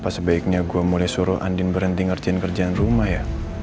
papa sebaiknya gue boleh suruh andien berhenti ngerjain kerjaan rumah ya